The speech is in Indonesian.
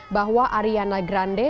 bahwa ariana grande